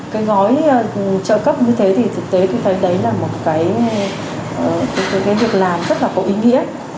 cái gói trợ cấp như thế thì thực tế cũng thấy đấy là một cái việc làm rất là có ý nghĩa